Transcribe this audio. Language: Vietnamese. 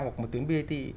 hoặc một tuyến bat